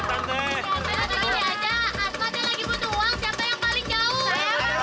aduh ya udah